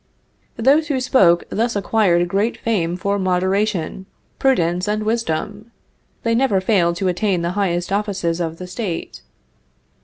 Those who spoke thus acquired great fame for moderation, prudence, and wisdom. They never failed to attain the highest offices of the State.